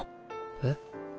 えっ？